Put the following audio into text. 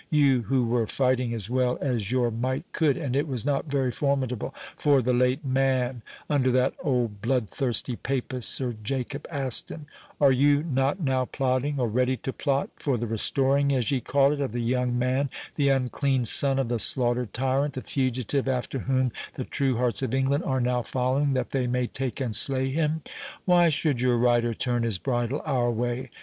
—You, who were fighting as well as your might could (and it was not very formidable) for the late Man, under that old blood thirsty papist Sir Jacob Aston—are you not now plotting, or ready to plot, for the restoring, as ye call it, of the young Man, the unclean son of the slaughtered tyrant—the fugitive after whom the true hearts of England are now following, that they may take and slay him?—'Why should your rider turn his bridle our way?